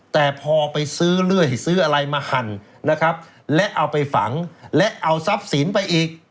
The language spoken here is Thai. แต่พอไปซื้อเรื่อยซื้ออะไรมาหั่นนะครับและเอาไปฝังและเอาทรัพย์สินไปอีก